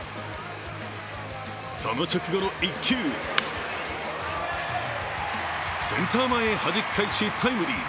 その直後の１球センター前へはじき返しタイムリー。